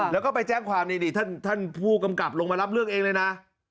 แล้วก็ไปแจ้งความนี่ท่านผู้กำกับลงมารับเรื่องเองเลยนะ